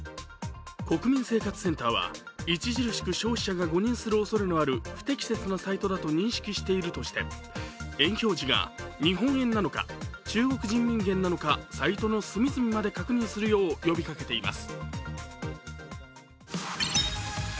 国民生活センターは著しく消費者が誤認するおそれのある不適切なサイトだと認識しているとして、￥表示が日本円なのか中国人民元なのかサイトの隅々まで確認するよう呼びかけています。